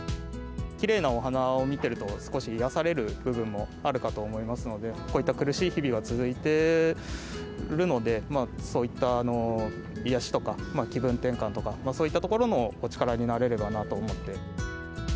きれいなお花を見てると少し癒やされる部分もあるかと思いますので、こういった苦しい日々が続いているので、そういった癒やしとか、気分転換とか、そういったところのお力になれればなと思って。